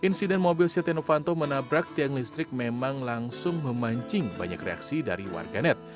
insiden mobil setia novanto menabrak tiang listrik memang langsung memancing banyak reaksi dari warganet